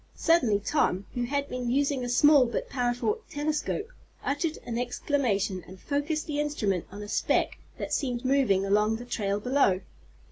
Suddenly Tom, who had been using a small but powerful telescope, uttered an exclamation, and focussed the instrument on a speck that seemed moving along on the trail below.